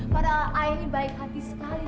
padahal ayah ini baik hati sekali